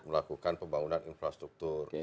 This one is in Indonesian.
melakukan pembangunan infrastruktur